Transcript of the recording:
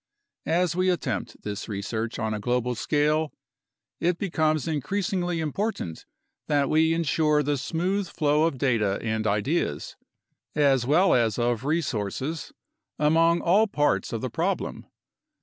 As we attempt this research on a global scale, it becomes increasingly important that we ensure the smooth flow of data and ideas, as well as of resources, among all parts of the problem.